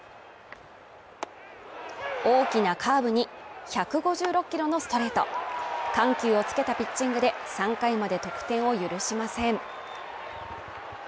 大きなカーブに１５６キロのストレート緩急をつけたピッチングで３回まで得点を許しません。